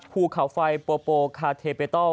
ผู้เผาไฟปูโปลคาเทเปะตอล